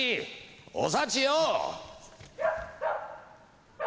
お幸よう！